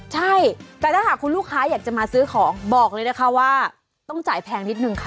ใช่แต่ถ้าหากคุณลูกค้าอยากจะมาซื้อของบอกเลยนะคะว่าต้องจ่ายแพงนิดนึงค่ะ